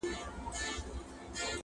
نن به د خوشحال د قبر ړنګه جنډۍ څه وايي -